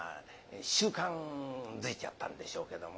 習慣づいちゃったんでしょうけども。